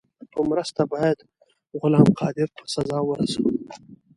په مرسته باید غلام قادر په سزا ورسوم.